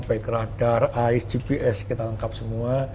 baik radar ais gps kita lengkap semua